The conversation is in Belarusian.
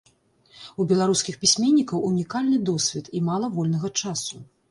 У беларускіх пісьменнікаў унікальны досвед і мала вольнага часу.